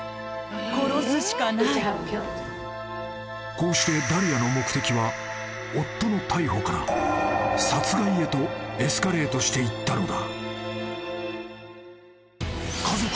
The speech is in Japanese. ［こうしてダリアの目的は夫の逮捕から殺害へとエスカレートしていったのだ］